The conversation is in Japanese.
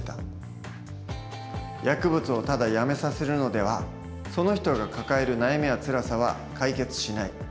「薬物をただやめさせるのではその人が抱える悩みやつらさは解決しない。